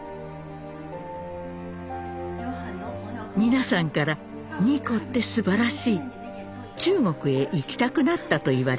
皆さんから二胡ってすばらしい中国へ行きたくなったと言われました。